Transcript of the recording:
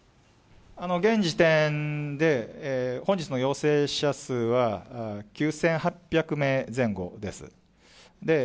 現時点で、本日の陽性者数は、９８００名前後です。